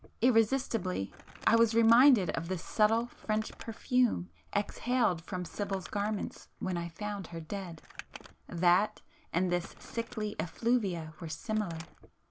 Irresistibly I was reminded of the subtle French perfume exhaled from Sibyl's garments when I found her dead,—that, and this sickly effluvia were similar!